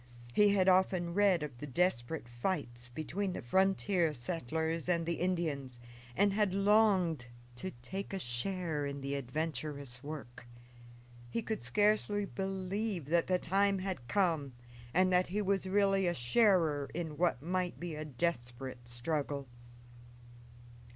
He had often read of the desperate fights between the frontier settlers and the Indians, and had longed to take a share in the adventurous work. He could scarcely believe that the time had come and that he was really a sharer in what might be a desperate struggle.